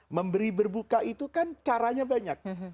memberi berbuka itu kan caranya banyak